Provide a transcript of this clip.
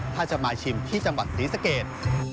ถ้าจะมาชิมที่จังหวัดศรีสเกต